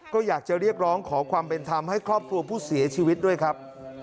ก็อยากจะเรียกร้องขอความเป็นธรรมให้ครอบครัวผู้เสียชีวิตด้วยครับ